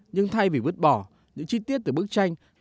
nhưng thay vì vứt bỏ những chi tiết từ bức tranh